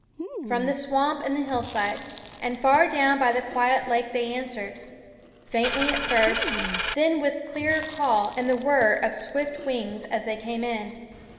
From the swamp and the hillside and far down by the quiet lake they answered, faintly at first, then with clearer call and the whirr of swift wings as they came in.